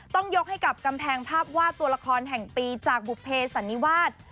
ต้องยกให้กับกำแพงภาพวาดตัวละครแห่งปีจากบุภเพสันนิวาส